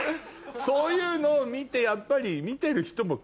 そういうのを見てやっぱり。